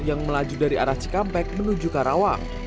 yang melaju dari arah cikampek menuju karawang